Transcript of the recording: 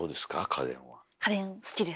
家電好きです。